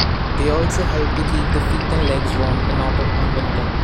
They also help to keep the feet and legs warm in autumn and winter.